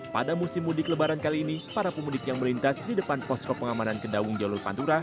pada musim mudik lebaran kali ini para pemudik yang melintas di depan posko pengamanan kedaung jalur pantura